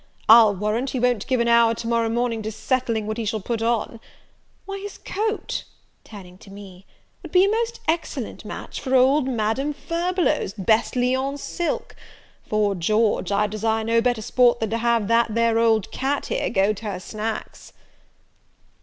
I'll warrant he won't give an hour tomorrow morning to settling what he shall put on; why, his coat," turning to me, "would be a most excellent match for old Madame Furbelow's best Lyons silk! 'Fore George, I'd desire no better sport than to have that there old cat here to go her snacks!"